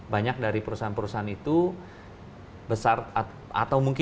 banyak dari perusahaan perusahaan itu besar atau mungkin yang lebih penting adalah yang kecil